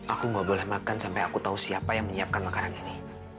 aku gak boleh makan sampai aku tahu siapa yang menyiapkan makanan ini